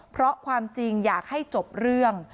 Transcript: เพราะความจริงอยากให้จบเรื่อง